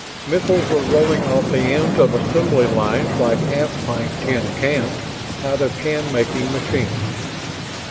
Missiles were rolling off the ends of assembly lines like half pint tin cans out of can making machines.